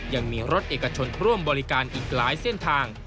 ยังมีรถเอกชนร่วมบริการอีกหลายเส้นทาง